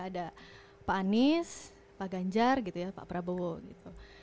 ada pak anies pak ganjar gitu ya pak prabowo gitu